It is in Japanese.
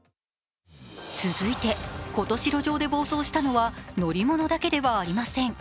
続いて今年路上で暴走したのは乗り物だけではありません。